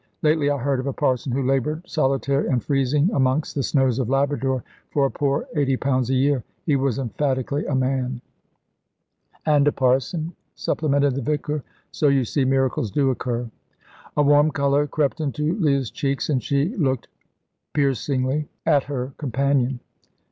Lately I heard of a parson who laboured solitary and freezing amongst the snows of Labrador for a poor eighty pounds a year. He was emphatically a man." "And a parson," supplemented the vicar; "so, you see, miracles do occur." A warm colour crept into Leah's cheeks, and she looked piercingly at her companion.